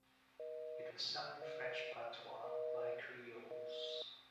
It was sung in French patois by Creoles.